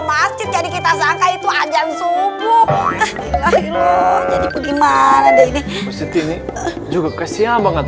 masjid jadi kita sangka itu ajan subuh jadi gimana deh ini juga kasihan banget